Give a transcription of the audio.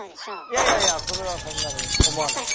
いやいやいやそれはそんなに思わない